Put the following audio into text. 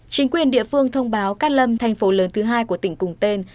chính quyền địa phương thông báo cát lâm thành phố lớn thứ hai của tỉnh cùng tên